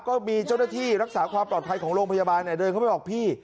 ก็มีเจ้าหน้าที่รักษาความปลอดภัยของโรงพยาบาลเดินเข้าไปบอกพี่